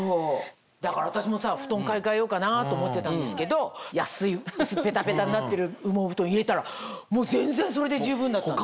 だから私もさ布団買い替えようかなと思ってたんですけど安いペタペタになってる羽毛布団入れたらもう全然それで十分だったの。